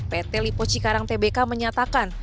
pt lipoci karang tbk menyatakan